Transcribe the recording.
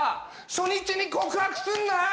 初日に告白すんなよ！